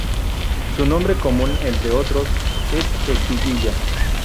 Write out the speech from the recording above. Su nombre común entre otros es espiguilla.